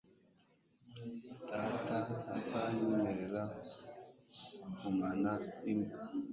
Data ntazanyemerera kugumana imbwa.